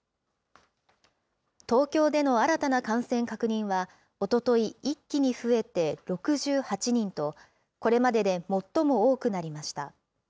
東京での新たな感染確認は、おととい、一気に増えて６８人と、これまでで最も多くなりました。